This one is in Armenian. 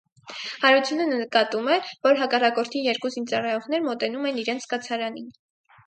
Հարությունը նկատում է, որ հակառակորդի երկու զինծառայողներ մոտենում են իրենց կացարանին։